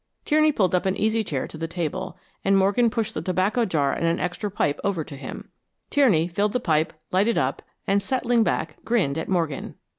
Tierney pulled an easy chair up to the table, and Morgan pushed the tobacco jar and an extra pipe over to him. Tierney filled the pipe, lighted up, and settling back, grinned at Morgan.